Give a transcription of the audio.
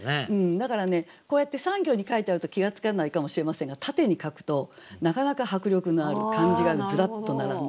だからねこうやって３行に書いてあると気が付かないかもしれませんが縦に書くとなかなか迫力のある漢字がずらっと並んで。